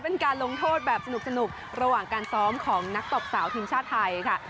เป็นการลงโทษแบบสนุกระหว่างการซ้อมของนักตบสาวทีมชาติไทยค่ะ